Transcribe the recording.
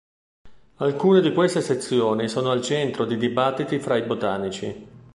Alcune di queste sezioni sono al centro di dibattiti fra i botanici.